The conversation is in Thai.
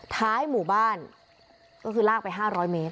ท้ายหมู่บ้านก็คือลากไปห้าร้อยเมตร